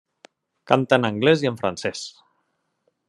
Canta en anglès i en francès.